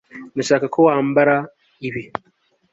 ndashaka ko wambara ibi